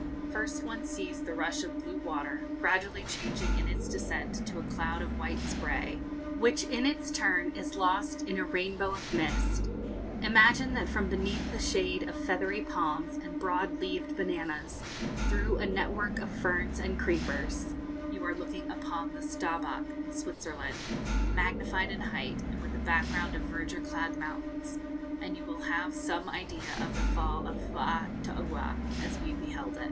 First one sees the rush of blue water, gradually changing in its descent to a cloud of white spray, which in its turn is lost in a rainbow of mist. Imagine that from beneath the shade of feathery palms and broad leaved bananas through a network of ferns and creepers you are looking upon the Staubbach, in Switzerland, magnified in height, and with a background of verdure clad mountains, and you will have some idea of the fall of Faataua as we beheld it.